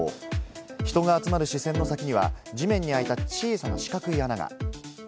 人が集まる視線の先には地面に開いた小さな四角い穴が。